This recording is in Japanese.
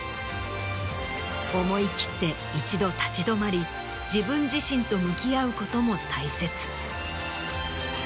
思い切って一度立ち止まり自分自身と向き合うことも大切。